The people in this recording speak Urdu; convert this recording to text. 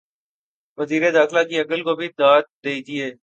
وزیر داخلہ کی عقل کو بھی داد دیجئے۔